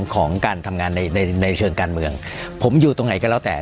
ของการทำงานในในเชิงการเมืองผมอยู่ตรงไหนก็แล้วแต่